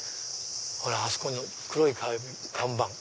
ほらあそこの黒い看板。